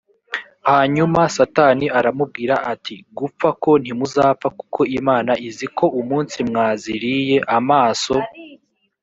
hanyuma satani aramubwira ati gupfa ko ntimuzapfa kuko imana izi ko umunsi mwaziriye amaso